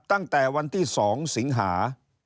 ตั้งแต่วันที่๒สิงหา